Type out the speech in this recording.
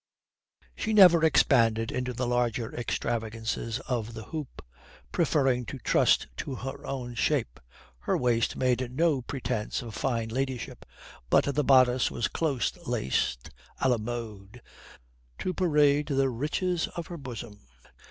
She never expanded into the larger extravagances of the hoop, preferring to trust to her own shape. Her waist made no pretence of fine ladyship, but the bodice was close laced à la mode to parade the riches of her bosom.